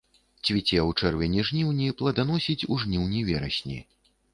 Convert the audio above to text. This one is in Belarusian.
Цвіце ў чэрвені-жніўні, пладаносіць у жніўні-верасні.